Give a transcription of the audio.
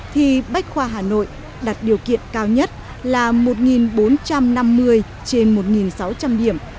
thì bách khoa hà nội đặt điều kiện cao nhất là một bốn trăm năm mươi trên một sáu trăm linh điểm